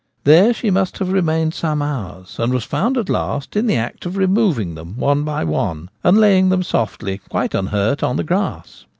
There she must have remained some hours, and was found at last in the act of removing them one by one and laying them softly, quite unhurt, on the grass.